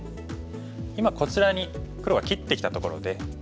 今こちらに黒が切ってきたところで。